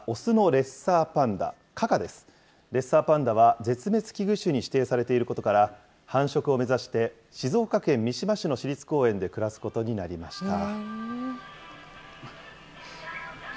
レッサーパンダは、絶滅危惧種に指定されていることから、繁殖を目指して、静岡県三島市の市立公園で暮らすことになりました。